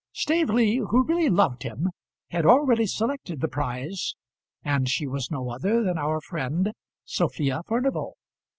Staveley, who really loved him, had already selected the prize, and she was no other than our friend, Sophia Furnival.